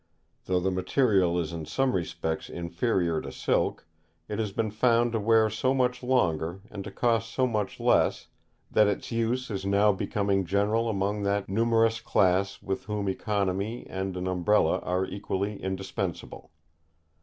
Though the material is in some respects inferior to silk, it has been found to wear so much longer, and to cost so much less, that its use is now becoming general among that numerous class with whom economy and an Umbrella are equally indispensable.